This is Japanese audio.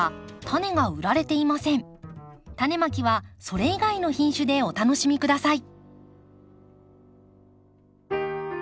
タネまきはそれ以外の品種でお楽しみ下さい。